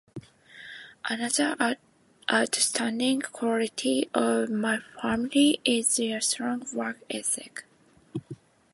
Another outstanding quality of my family is their strong work ethic.